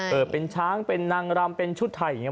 เปิดเป็นช้างเป็นนางรำเป็นชุดไทย